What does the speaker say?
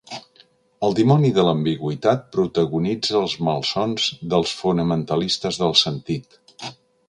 El dimoni de l'ambigüitat protagonitza els malsons dels fonamentalistes del sentit.